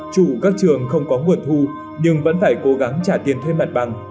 chủ các trường không có nguồn thu nhưng vẫn phải cố gắng trả tiền thuê mặt bằng